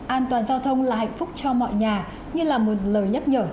an toàn giao thông là hạnh phúc cho mọi nhà như là một lời nhắc nhở